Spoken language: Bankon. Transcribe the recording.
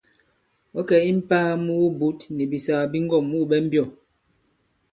Ɔ̌ kɛ̀ i mpāa mu wubǔt nì bìsàgà bi ŋgɔ᷇m wû ɓɛ mbyɔ̂?